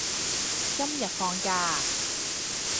今日放假啊？